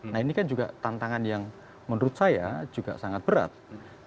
nah ini kan juga tantangan yang menurut saya juga sangat berat